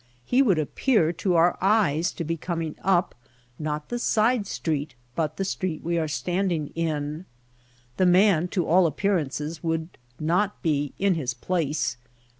He would appear to our eyes to be coming up, not the side street, but the street we are standing in. The man, to all appearances, would not be "in his place."